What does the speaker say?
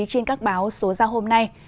trên các báo số giao hôm nay